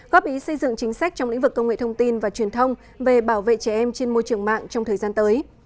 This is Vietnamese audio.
góp ý xây dựng chính sách trong lĩnh vực công nghệ thông tin và truyền thông về bảo vệ trẻ em trên môi trường mạng trong thời gian tới